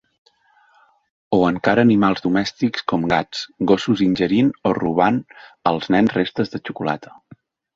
O encara animals domèstics com gats, gossos ingerint o robant als nens restes de xocolata.